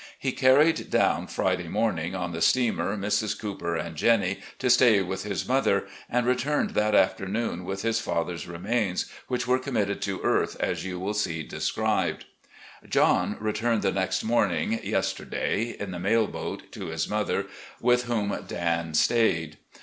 He carried down, Friday morning, on the steamer, Mrs. Cooper and Jennie, to stay with his mother, and returned that afternoon with his father's remains, which were committed to earth as you will see described. "John returned the next morning, yesterday, in the mail boat, to his mother, with whom Dan stayed.